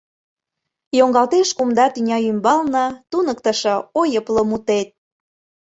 Йоҥгалтеш кумда тӱня ӱмбалне, туныктышо, ойыпло мутет.